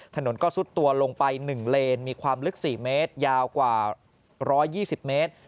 ถนนก็ซุดตัวลงไป๑เลนมีความลึก๔เมตรยาวกว่า๑๒๐เมตร